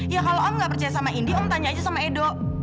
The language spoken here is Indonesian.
ya kalo om gak percaya sama ndi om tanya aja sama edo